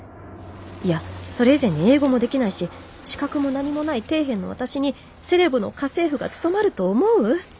いやそれ以前に英語もできないし資格も何もない底辺の私にセレブの家政婦が務まると思う？